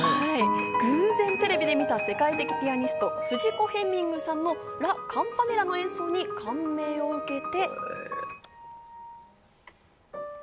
偶然テレビで見た世界的ピアニスト、フジコ・ヘミングさんの『ラ・カンパネラ』の演奏に感銘を受けて。